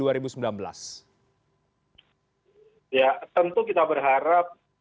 ya tentu kita berharap